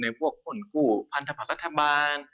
พวกคนกู้พันธบัตรรัฐบาล